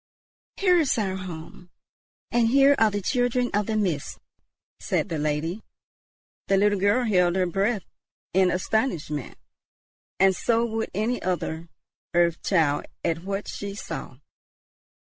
"Here is our home, and here are the children of the Mist," said the lady. The little girl held her breath in astonishment, and so would any other earth child at what she saw.